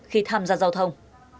khi tham gia giao thông